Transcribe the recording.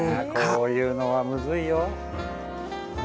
こういうのはむずいよ。